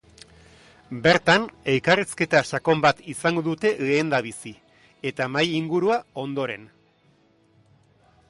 Bertan, elkarrizketa sakon bat izango dute lehendabizi, eta mahai-ingurua, ondoren.